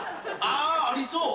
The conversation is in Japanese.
あ！ありそう。